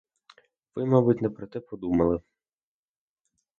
Ви, мабуть, не про те подумали.